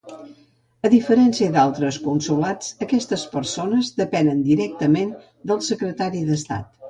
A diferència d'altres consolats, aquestes persones depenen directament del secretari d'estat.